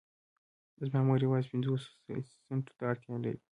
زما مور يوازې پنځوسو سنټو ته اړتيا لري.